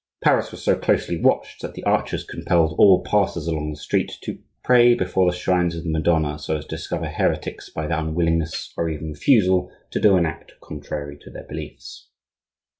Paris was so closely watched that the archers compelled all passers along the street to pray before the shrines of the Madonna so as to discover heretics by their unwillingness or even refusal to do an act contrary to their beliefs.